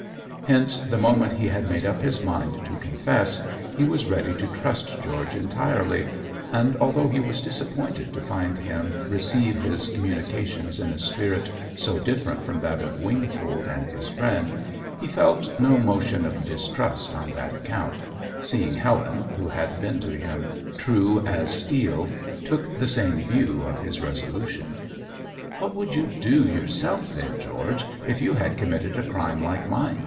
Hence the moment he had made up his mind to confess, he was ready to trust George entirely, and although he was disappointed to find him receive his communication in a spirit so different from that of Wingfold and his friend, he felt no motion of distrust on that account, seeing Helen, who had been to him true as steel, took the same view of his resolution. "What would you do yourself then, George, if you had committed a crime like mine?"